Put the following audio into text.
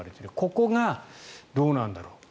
ここがどうなんだろうと。